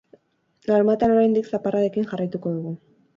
Larunbatean, oraindik, zaparradekin jarraituko dugu.